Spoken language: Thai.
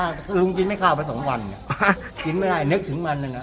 คือลุงจิ้นไม่เข้าไปสองวันอ่ะจิ้นไม่ได้นึกถึงมันน่ะ